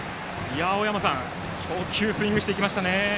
青山さん、初球スイングしていきましたね。